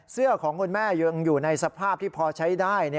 ของคุณแม่ยังอยู่ในสภาพที่พอใช้ได้